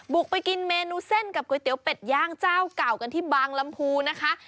ไปกินเมนูเส้นกับก๋วยเตี๋ยวเป็ดย่างเจ้าเก่ากันที่บางลำพูนะคะ